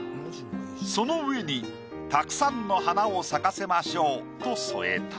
その上に「沢山の花を咲かせませう」と添えた。